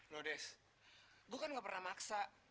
loh des gue kan gak pernah maksa